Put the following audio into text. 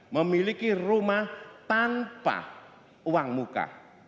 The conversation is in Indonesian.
memiliki rumah tanpa uang muka